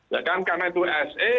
ya kan karena itu se